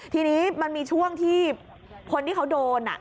ทีนี้มันมีช่วงที่คนที่เขาโดน